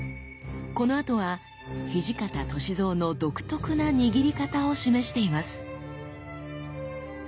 この跡は土方歳三の独特な握り方を示しています。